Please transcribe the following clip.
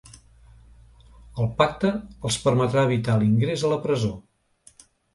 El pacte els permetrà evitar l’ingrés a la presó.